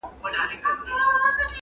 کرې شپه وایو سندري سپېدې وچوي رڼا سي!!